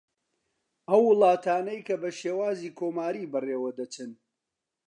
ئەو وڵاتانەی کە بە شێوازی کۆماری بە ڕێوە دەچن